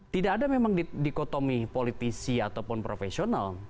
tidak ada memang dikotomi politisi ataupun profesional